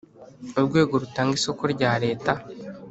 urwego rutanga isoko rya leta